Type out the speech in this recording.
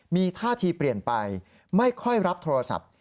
มีท่าทีเปลี่ยนไปไม่ค่อยรับโทรศัพท์